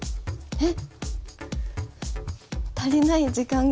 えっ！